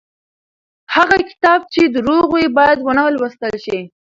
هغه کتاب چې دروغ وي بايد ونه لوستل شي.